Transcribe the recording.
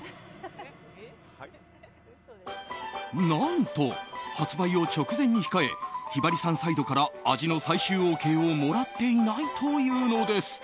何と、発売を直前に控えひばりさんサイドから味の最終ＯＫをもらっていないというのです。